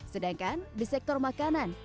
sedangkan di sektor makanan